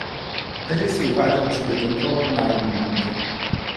Tehdy se uváděl coby kontrolor Národní banky.